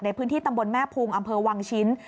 ในพื้นที่ตำบลแม่พุงอำเภอวังชิ้น